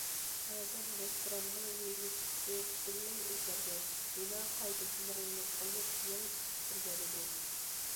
ھازىر رېستوراننىڭ ۋىۋىسكىسى پۈتۈنلەي ئۆزگەرگەن، بىنا قايتىدىن رېمونت قىلىنىپ يېڭى تۈسكە كىرگەنىدى.